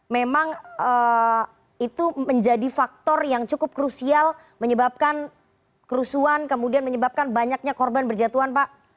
memang itu menjadi faktor yang cukup krusial menyebabkan kerusuhan kemudian menyebabkan banyaknya korban berjatuhan pak